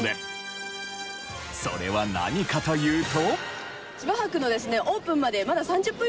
それは何かというと。